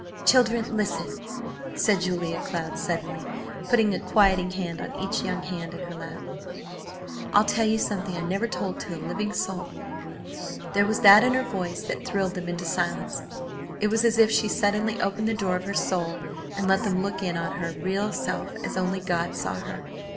"Children, listen!" said Julia Cloud, suddenly putting a quieting hand on each young hand in her lap. "I'll tell you something I never told to a living soul." There was that in her voice that thrilled them into silence. It was as if she suddenly opened the door of her soul and let them look in on her real self as only God saw her.